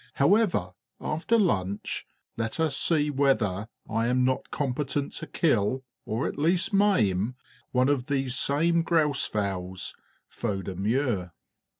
However, after lunch let us see whether I am not competent to kill, or at least maim, one of these same grouse fowls, faute de mieux!"